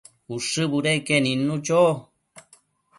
Ushë budeque nidnu cho